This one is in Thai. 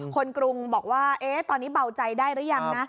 กรุงบอกว่าตอนนี้เบาใจได้หรือยังนะ